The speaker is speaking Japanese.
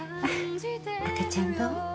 赤ちゃんどう？